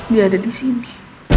dia ada disini